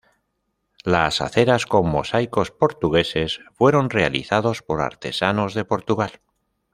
Las aceras con mosaicos portugueses fueron realizados por artesanos de Portugal.